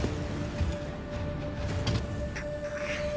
くっ！